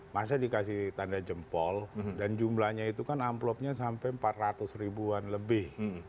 masa dikasih tanda jempol dan jumlahnya itu kan amplopnya sampai empat ratus ribuan lebih